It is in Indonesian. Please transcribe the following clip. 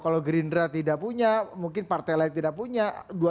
kalau gerindra tidak punya mungkin partai lain tidak punya